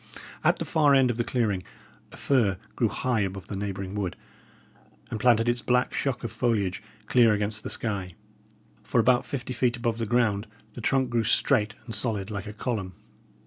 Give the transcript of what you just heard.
At the far end of the clearing, a fir grew high above the neighbouring wood, and planted its black shock of foliage clear against the sky. For about fifty feet above the ground the trunk grew straight and solid like a column.